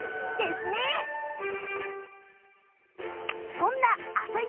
そんな朝市